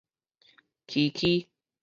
敧敧